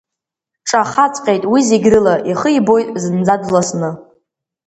Дҿахаҵәҟьеит уи зегь рыла, ихы ибоит зынӡа дласны…